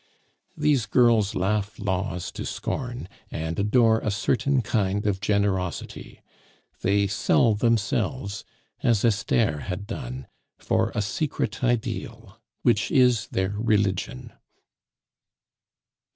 These girls laugh laws to scorn, and adore a certain kind of generosity; they sell themselves, as Esther had done, for a secret ideal, which is their religion.